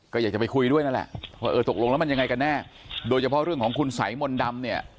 ก็อยากจะไปคุยด้วยนั่นแหละว่าเออตกลงแล้วมันยังไงกันแน่โดยเฉพาะเรื่องของคุณสัยมนต์ดำเนี่ย